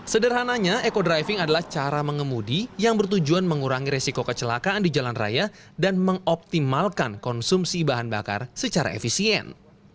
sederhananya eco driving adalah cara mengemudi yang bertujuan mengurangi resiko kecelakaan di jalan raya dan mengoptimalkan konsumsi bahan bakar secara efisien